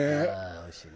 おいしいね。